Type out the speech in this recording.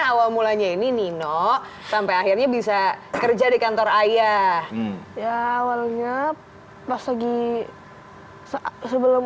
awal mulanya ini nino sampai akhirnya bisa kerja di kantor ayah ya awalnya pas lagi sebelum